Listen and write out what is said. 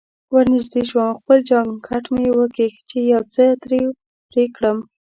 زه ورنژدې شوم، خپل جانکټ مې وکیښ چې یو څه ترې پرې کړم.